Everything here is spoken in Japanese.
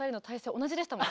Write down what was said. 同じでしたもん。